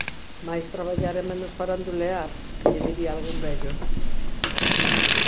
"Máis traballar e menos farandulear!", que lle diría algún vello.